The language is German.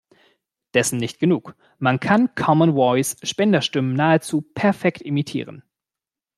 Dessen nicht genug: Man kann Common Voice Spenderstimmen nahezu perfekt imitieren.